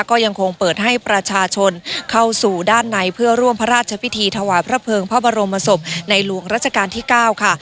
ก็ยังคงเปิดให้ประชาชนเข้าสู่ด้านในเพื่อร่วมพระราชพิธีถวายพระเภิงพระบรมศพในหลวงราชการที่๙ค่ะ